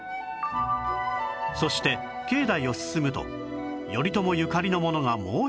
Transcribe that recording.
そして境内を進むと頼朝ゆかりのものがもう一つ